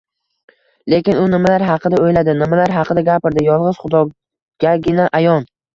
Lekin u nimalar haqida oʻyladi, nimalar haqida gapirdi – yolgʻiz Xudogagina ayon!..